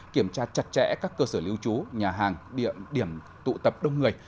kiểm tra chặt chẽ các cơ sở lưu trú nhà hàng điểm tụ tập đông người